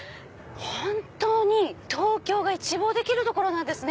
本当に東京が一望できる所なんですね。